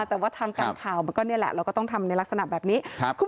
แต่ว่าทางการข่าวมันก็นี่แหละเราก็ต้องทำในลักษณะแบบนี้